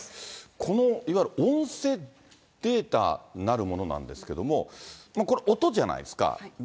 このいわゆる音声データなるものなんですけれども、これ、音じゃないですか。